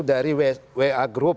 dari wa group